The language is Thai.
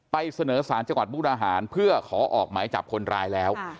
เสนอสารจังหวัดมุกดาหารเพื่อขอออกหมายจับคนร้ายแล้ว